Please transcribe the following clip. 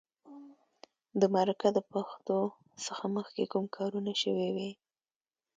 د مرکه د پښتو څخه مخکې کوم کارونه شوي وي.